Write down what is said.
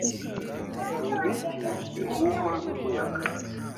mu biti bihuhwa n’umuyaga